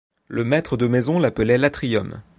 Le maître de maison l’appelait l’atrium.